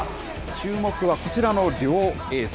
注目はこちらの両エース。